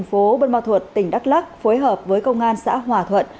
tp bun ma thuật tỉnh đắk lắc phối hợp với công an xã hòa thuận